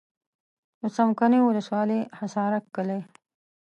د څمکنیو ولسوالي حصارک کلی.